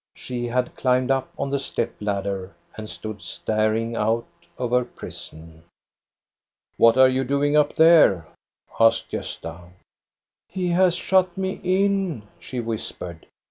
She had climbed up on the step ladder, and stood staring out of her prison. "What are you doing up there? " asked Gosta. " He has shut me in," she whispered.